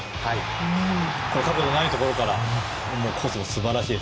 角度がないところからコースもすばらしい。